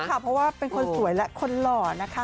เพราะว่าเป็นคนสวยและคนหล่อนะคะ